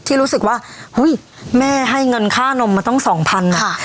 ที่รู้สึกว่าอุ้ยแม่ให้เงินค่านมมาตั้งสองพันอ่ะ